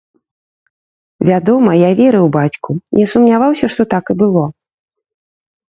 Вядома, я верыў бацьку, не сумняваўся, што так і было.